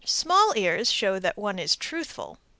Small ears show that one is truthful.